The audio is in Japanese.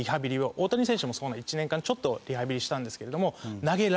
大谷選手も１年間ちょっとリハビリしたんですけれども。